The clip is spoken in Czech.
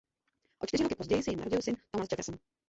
O čtyři roky později se jim narodil syn Thomas Jefferson.